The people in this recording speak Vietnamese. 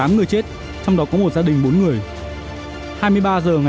tám người chết trong đó có một gia đình bốn người